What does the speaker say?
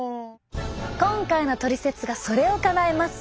今回のトリセツがそれをかなえます。